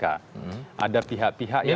ada pihak pihak yang